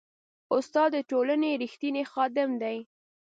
استاد د ټولنې ریښتینی خادم دی.